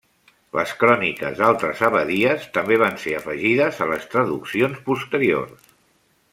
Les cròniques d'altres abadies també van ser afegides a les traduccions posteriors.